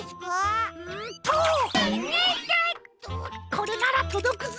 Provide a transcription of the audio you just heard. これならとどくぞ。